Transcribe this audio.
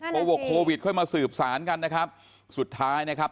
โควิดค่อยมาสืบสารกันนะครับสุดท้ายนะครับ